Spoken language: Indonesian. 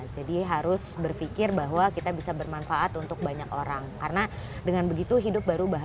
jadi harus berpikir bahwa kita bisa bermanfaat untuk banyak orang karena dengan begitu hidup baru bahagia